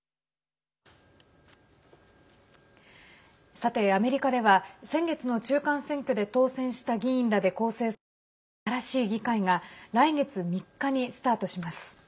さて、アメリカでは先月の中間選挙で当選した議員らで構成される新しい議会が来月３日にスタートします。